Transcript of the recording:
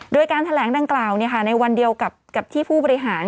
โดยการแถลงดังกล่าวในวันเดียวกับที่ผู้บริหาร